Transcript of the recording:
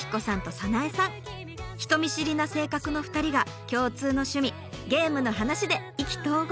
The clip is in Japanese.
人見知りな性格の２人が共通の趣味ゲームの話で意気投合！